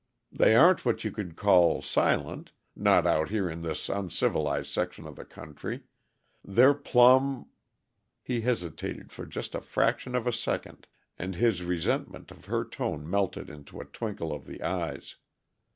They aren't what you could call silent not out here in this uncivilized section of the country. They're plumb " He hesitated for just a fraction of a second, and his resentment of her tone melted into a twinkle of the eyes.